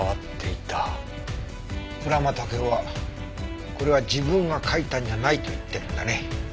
蔵間武生はこれは自分が書いたんじゃないと言ってるんだね？